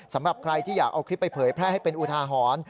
สำหรับใครที่อยากเอาคลิปไปเผยแพร่ให้เป็นอุทาหรณ์